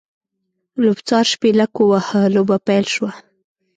لوبڅار شپېلک ووهه؛ لوبه پیل شوه.